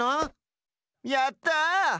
やった！